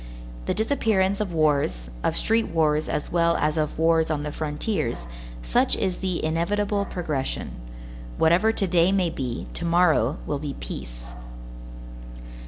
The disappearance of wars, of street wars as well as of wars on the frontiers, such is the inevitable progression. Whatever To day may be, To morrow will be peace.